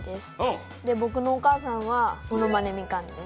僕のお母さんはものまねみかんです。